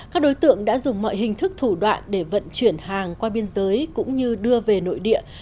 các đối tượng đã dùng mọi hình thức thủ đoạn để vận chuyển hàng qua biên giới cũng như đưa về nội địa